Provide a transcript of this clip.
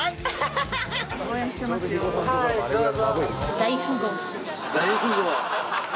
大富豪。